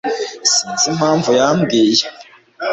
Sinzi impamvu yambwiye